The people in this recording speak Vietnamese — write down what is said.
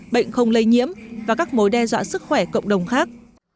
bệnh không lây nhiễm và các mối đe dọa sức khỏe cộng đồng khác